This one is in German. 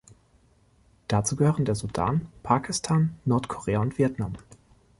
Dazu gehören der Sudan, Pakistan, Nordkorea und Vietnam.